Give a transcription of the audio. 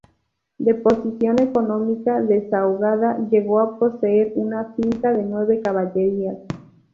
De posición económica desahogada, llegó a poseer una finca de nueve caballerías.